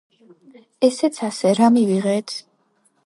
ესეც ასე, რა მივიღეთ?